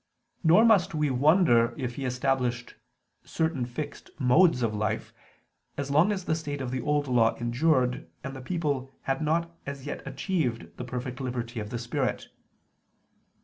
Nor must we wonder if He established certain fixed modes of life, as long as the state of the Old Law endured and the people had not as yet achieved the perfect liberty of the Spirit.